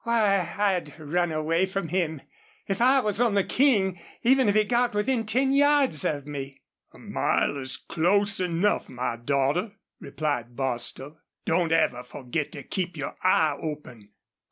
"Why, I'd run away from him, if I was on the King, even if he got within ten yards of me." "A mile is close enough, my daughter," replied Bostil. "Don't ever forget to keep your eye open.